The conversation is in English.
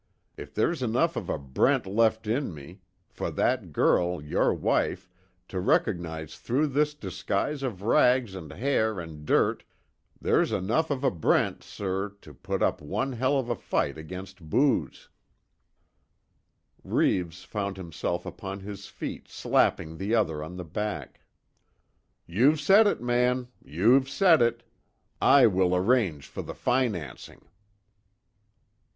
If there's enough of a Brent left in me, for that girl, your wife, to recognize through this disguise of rags and hair and dirt, there's enough of a Brent, sir, to put up one hell of a fight against booze!" Reeves found himself upon his feet slapping the other on the back. "You've said it man! You've said it! I will arrange for the financing."